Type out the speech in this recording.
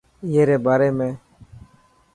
اي ري باري ۾.